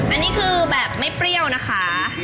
อันนี้คือแบบไม่เปรี้ยวนะคะ